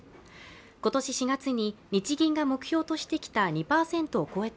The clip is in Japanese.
今年４月に日銀が目標としてきた２％を超えた